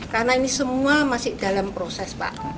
karena ini semua masih dalam proses pak